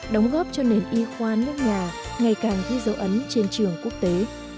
đóng góp cho nền y khoa nước nhà ngày càng ghi dấu ấn trên trường quốc tế